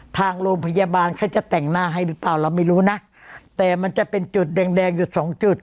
ทางโรงพยาบาลเขาจะแต่งหน้าให้หรือเปล่าเราไม่รู้นะแต่มันจะเป็นจุดแดงแดงอยู่สองจุด